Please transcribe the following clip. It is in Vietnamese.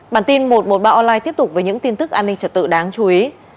bản tin một trăm một mươi ba online tiếp tục với những tin tức an ninh trật tự đáng chú ý